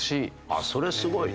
あっそれすごいね。